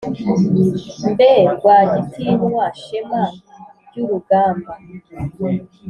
mbe rwagitinywa shema ryurugamba